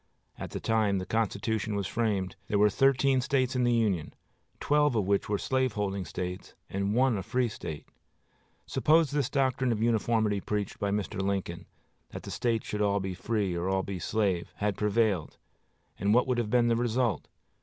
At the time the Constitution was framed there were thirteen States in the Union, twelve of which were slaveholding States and one a free State. Suppose this doctrine of uniformity preached by Mr. Lincoln, that the States should all be free or all be slave, had prevailed; and what would have been the result?